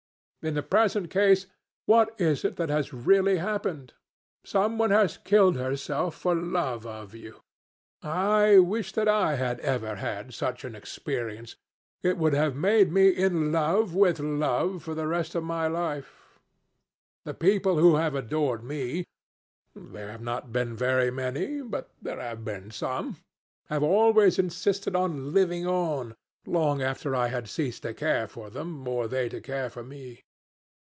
In the present case, what is it that has really happened? Some one has killed herself for love of you. I wish that I had ever had such an experience. It would have made me in love with love for the rest of my life. The people who have adored me—there have not been very many, but there have been some—have always insisted on living on, long after I had ceased to care for them, or they to care for me.